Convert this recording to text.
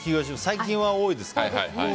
最近は多いです。